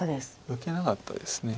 受けなかったですね。